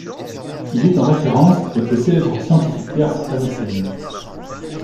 Il est en référence avec le célèbre scientifique perse Avicenne.